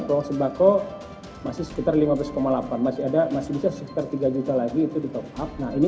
peluang sembako masih sekitar lima belas delapan masih ada masih bisa sekitar tiga juta lagi itu di top up nah ini